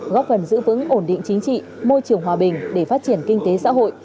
góp phần giữ vững ổn định chính trị môi trường hòa bình để phát triển kinh tế xã hội